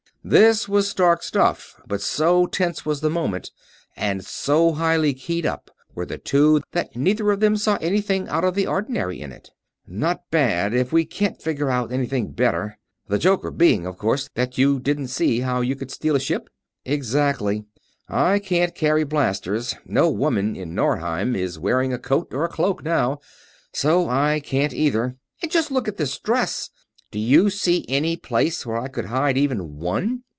This was stark stuff, but so tense was the moment and so highly keyed up were the two that neither of them saw anything out of the ordinary in it. "Not bad, if we can't figure out anything better. The joker being, of course, that you didn't see how you could steal a ship?" "Exactly. I can't carry blasters. No woman in Norheim is wearing a coat or a cloak now, so I can't either. And just look at this dress! Do you see any place where I could hide even one?"